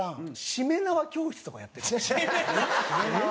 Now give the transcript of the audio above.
しめ縄教室とかやってるんですよ。